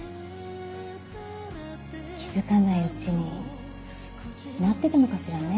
気付かないうちになってたのかしらね。